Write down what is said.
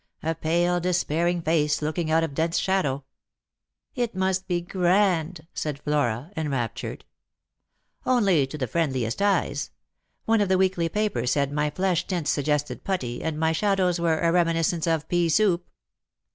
A pale despairing face looking out of dense shadow." " It must be grand," said Flora, enraptured. " Only to the friendliest eyes. One of the weekly papers said my flesh tints suggested putty, and my shadows were a reminis cence of pea soup."